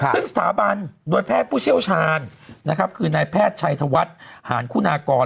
ซึ่งสถาบันโดยแพทย์ผู้เชี่ยวชาญนะครับคือนายแพทย์ชัยธวัฒน์หารคุณากร